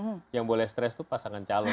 nggak boleh stres itu pasangan calon